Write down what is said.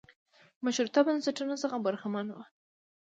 مشروطه بنسټونو څخه برخمن و.